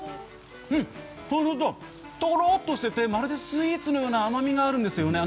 うん、とろっとしててまるでスイーツのような甘みがあるんですね。